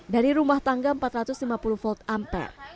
dari rumah tangga empat ratus lima puluh volt ampere